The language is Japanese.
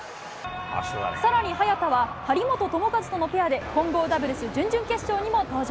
更に早田は、張本智和とのペアで混合ダブルス準々決勝にも登場。